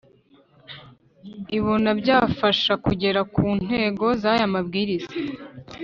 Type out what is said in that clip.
ibona byafasha kugera ku ntego z aya mabwiriza